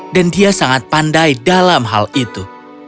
dan dia sangat pandai dalam hal itu